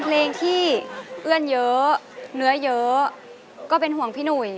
เพลงที่เอื้อนเยอะเนื้อเยอะก็เป็นห่วงพี่หนุ่ย